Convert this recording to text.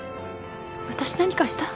私何かした？